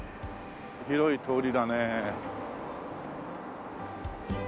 広い通りだねえ。